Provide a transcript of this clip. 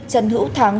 trần hữu thắng